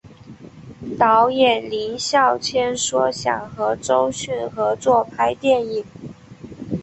导演林孝谦说想和周迅合作拍电影。